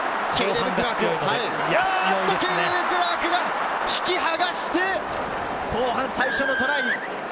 ケイレブ・クラークが引き剥がして、後半最初のトライ！